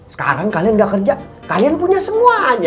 sekarang kalian gak kerja kalian punya semuanya